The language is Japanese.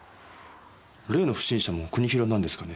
例の不審者も国広なんですかね？